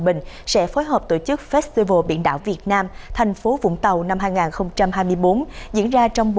bình sẽ phối hợp tổ chức festival biển đảo việt nam thành phố vũng tàu năm hai nghìn hai mươi bốn diễn ra trong